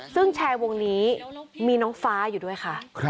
ซึ่งแชร์วงนี้มีน้องฟ้าอยู่ด้วยค่ะ